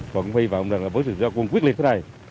còn hy vọng là với sự giao quân quyết liệt thế này